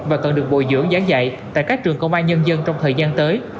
và cần được bồi dưỡng gián dạy tại các trường công an nhân dân trong thời gian tới